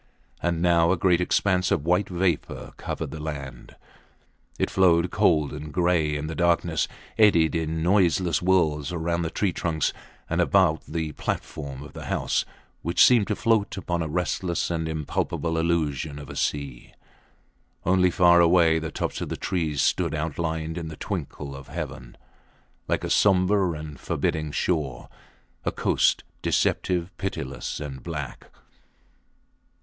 And now a great expanse of white vapour covered the land: it flowed cold and gray in the darkness, eddied in noiseless whirls round the tree trunks and about the platform of the house, which seemed to float upon a restless and impalpable illusion of a sea. Only far away the tops of the trees stood outlined on the twinkle of heaven, like a sombre and forbidding shore a coast deceptive, pitiless and black.